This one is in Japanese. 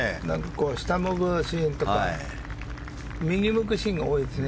下を向くシーンとか右向くシーンが多いですね。